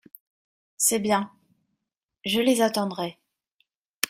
C’est bien ; je les attendrai…